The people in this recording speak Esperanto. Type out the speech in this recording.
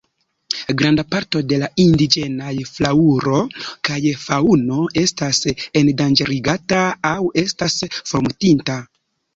Granda parto de la indiĝenaj flaŭro kaj faŭno estas endanĝerigata aŭ estas formortinta.